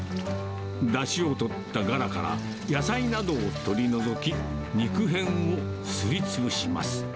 だしをとったガラから野菜などを取り除き、肉片をすりつぶします。